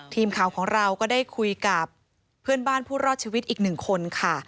ทีมข่าวของเราก็ได้คุยกับเพื่อนบ้านผู้รอดชีวิตอีกหนึ่งคนค่ะ